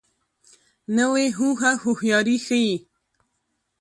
نوې هوښه هوښیاري ښیي